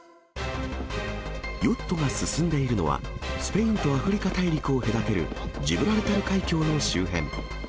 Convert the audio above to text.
ヨットが進んでいるのは、スペインとアフリカ大陸を隔てるジブラルタル海峡の周辺。